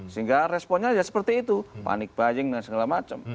sehingga responnya seperti itu panik buying dan segala macam